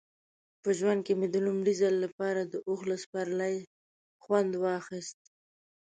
په ژوند کې مې د لومړي ځل لپاره د اوښ له سپرلۍ خوند واخیست.